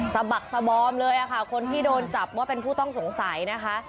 บักสบอมเลยค่ะคนที่โดนจับว่าเป็นผู้ต้องสงสัยนะคะ